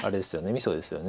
みそですよね。